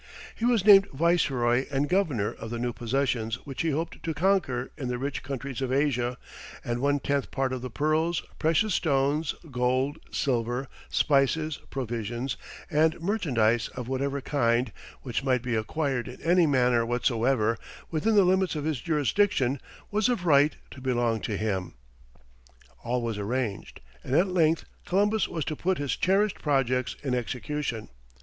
He was named viceroy and governor of the new possessions which he hoped to conquer in the rich countries of Asia, and one tenth part of the pearls, precious stones, gold, silver, spices, provisions, and merchandise of whatever kind, which might be acquired in any manner whatsoever, within the limits of his jurisdiction, was of right to belong to him. All was arranged, and at length Columbus was to put his cherished projects in execution.